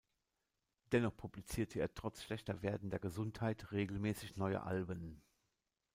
Dennoch publizierte er trotz schlechter werdender Gesundheit regelmäßig neue Alben.